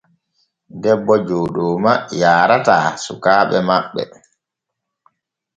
Debbo Jooɗooma yaarataa sukaaɓe maɓɓe.